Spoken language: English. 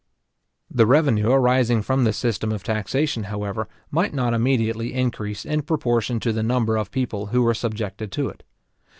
The revenue arising from this system of taxation, however, might not immediately increase in proportion to the number of people who were subjected to it.